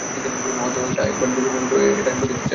হয়ত এটা একবার দেখতে চাইবেন।